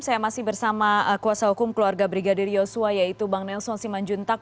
saya masih bersama kuasa hukum keluarga brigadir yosua yaitu bang nelson simanjuntak